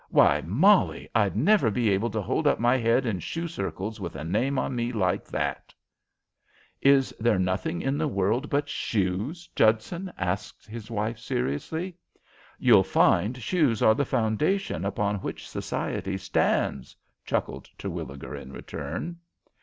Why, Molly, I'd never be able to hold up my head in shoe circles with a name on me like that." "Is there nothing in the world but shoes, Judson?" asked his wife, seriously. "You'll find shoes are the foundation upon which society stands," chuckled Terwilliger in return.